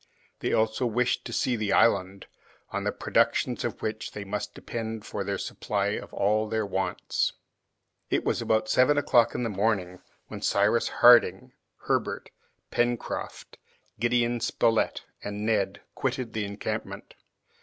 They also wished to see the island, on the productions of which they must depend for the supply of all their wants. It was about seven o'clock in the morning when Cyrus Harding, Herbert, Pencroft, Gideon Spilett, and Neb quitted the encampment.